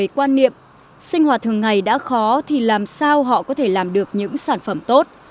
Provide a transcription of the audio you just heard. quan niệm sinh hoạt thường ngày đã khó thì làm sao họ có thể làm được những sản phẩm tốt